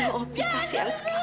haduh opi kasihan sekali kamu